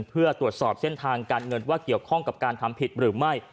เพื่อตรวจสอบเส้นทางการเงินว่าเกี่ยวข้องกับการทำผิดหรือไม่